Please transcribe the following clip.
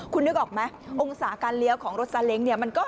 คุณนึกออกไหมองศาการเลี้ยวของรถซาเล้งเนี่ย